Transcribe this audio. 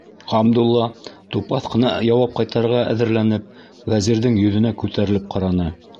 Ғабдулла, тупаҫ ҡына яуап ҡайтарырға әҙерләнеп, Вәзирҙең йөҙөнә күтәрелеп ҡараны.